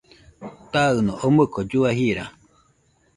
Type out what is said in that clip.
Taɨno omoɨko llua jira.